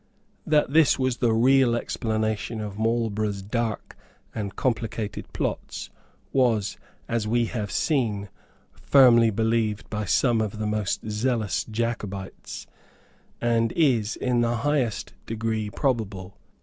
That this was the real explanation of Marlborough's dark and complicated plots was, as we have seen, firmly believed by some of the most zealous Jacobites, and is in the highest degree probable.